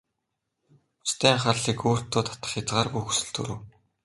Бусдын анхаарлыг өөртөө татах хязгааргүй хүсэл төрөв.